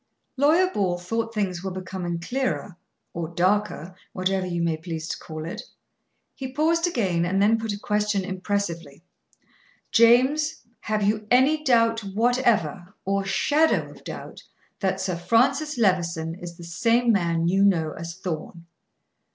Lawyer Ball thought things were becoming clearer or darker, whatever you may please to call it. He paused again, and then put a question impressively. "James, have you any doubt whatever, or shadow of doubt, that Sir Francis Levison is the same man you know as Thorn?"